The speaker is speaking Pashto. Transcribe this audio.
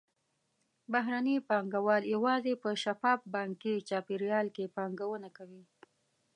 بهرني پانګهوال یوازې په شفاف بانکي چاپېریال کې پانګونه کوي.